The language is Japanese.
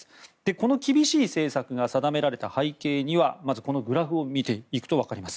この厳しい政策が定められた背景にはこのグラフを見ていくと分かります。